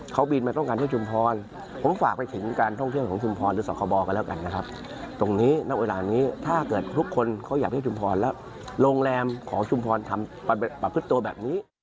เขาบีนมาต้องการโชว์ชุมพรผมฝากไปถึงการท่องเชี่ยวของชุมพรหรือสักครอบครัวกันแล้วกันนะครับ